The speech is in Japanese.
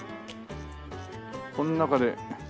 この中で。